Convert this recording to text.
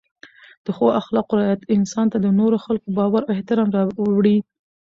د ښو اخلاقو رعایت انسان ته د نورو خلکو باور او احترام راوړي.